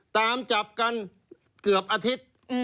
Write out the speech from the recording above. ตามจับกันเกือบอาทิตย์